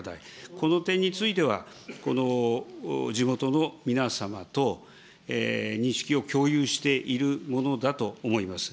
この点については、この地元の皆様と認識を共有しているものだと思います。